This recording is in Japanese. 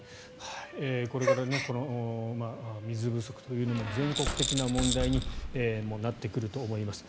これから水不足というのも全国的な問題になってくると思います。